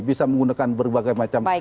bisa menggunakan berbagai macam